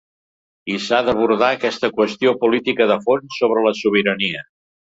I s’ha d’abordar aquesta qüestió política de fons sobre la sobirania.